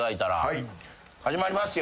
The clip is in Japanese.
始まりますよ。